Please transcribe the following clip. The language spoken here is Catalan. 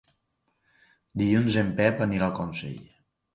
Dilluns en Pep anirà a Consell.